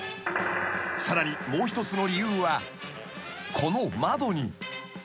［さらにもう一つの理由はこの窓に］